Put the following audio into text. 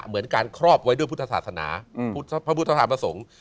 เหมือนการครอบไว้ด้วยพุทธศาสนาพระพุทธธรรมพระสงฆ์